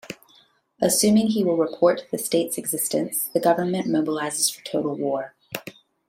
Assuming he will report the state's existence, the government mobilizes for total war.